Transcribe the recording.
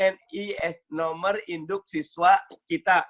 mi nomor induk siswa kita